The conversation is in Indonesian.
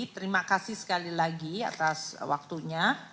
terima kasih sekali lagi atas waktunya